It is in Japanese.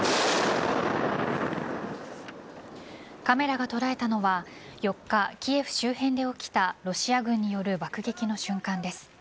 カメラが捉えたのは４日、キエフ周辺で起きたロシア軍による爆撃の瞬間です。